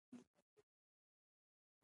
د ټکنالوجۍ پراختیا د معلوماتو ساتنه اسانوي.